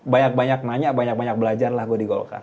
banyak banyak nanya banyak banyak belajar lah gue di golkar